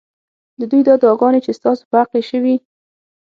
ددوی دا دعاګانې چې ستا سو په حق کي شوي